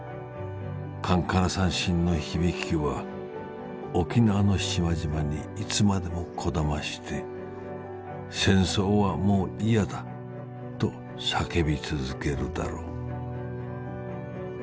カンカラ三線の響きは沖縄の島々にいつまでもこだまして『戦争はもういやだ！』と叫び続けるだろう」。